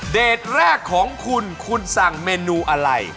แรกของคุณคุณสั่งเมนูอะไร